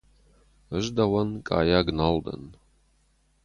Ӕз дӕуӕн къайаг нал дӕн.